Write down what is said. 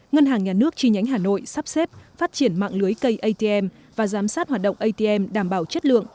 ngân hàng nhà nước chi nhánh hà nội sắp xếp phát triển mạng lưới cây atm và giám sát hoạt động atm đảm bảo chất lượng